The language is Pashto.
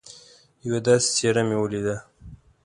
یوه داسي څهره مې ولیده